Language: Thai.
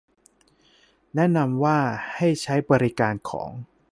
แนะนำว่าให้ใช้บริการของ